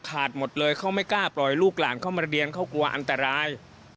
ขาดหมดเลยเขาไม่กล้าปล่อยลูกหลานเข้ามาเรียนเขากลัวอันตราย